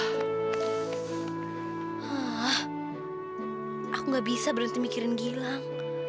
hah aku nggak bisa berhenti mikirin gilang